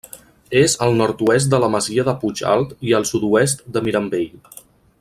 És al nord-oest de la masia de Puig-alt i al sud-oest de Mirambell.